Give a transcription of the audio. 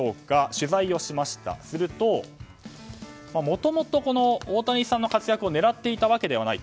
取材をするともともと、大谷さんの活躍を狙っていたわけではない。